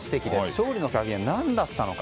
勝利の鍵は何だったのか。